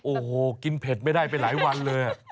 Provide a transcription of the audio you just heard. โอ้โหกินเผ็ดไม่ได้ไปหลายวันเลย